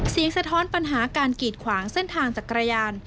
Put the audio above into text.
สะท้อนปัญหาการกีดขวางเส้นทางจักรยาน